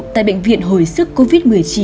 tại bệnh viện hồi sức covid một mươi chín